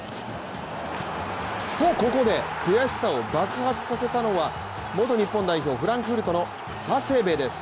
と、ここで悔しさを爆発させたのは元日本代表、フランクフルトの長谷部です。